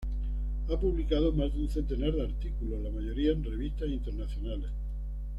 Ha publicado más de un centenar de artículos, la mayoría en revistas internacionales.